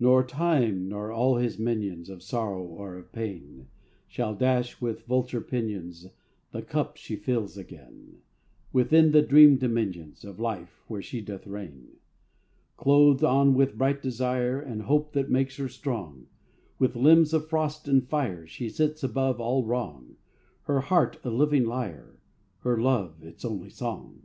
Nor time nor all his minions Of sorrow or of pain, Shall dash with vulture pinions The cup she fills again Within the dream dominions Of life where she doth reign. Clothed on with bright desire And hope that makes her strong, With limbs of frost and fire, She sits above all wrong, Her heart, a living lyre, Her love, its only song.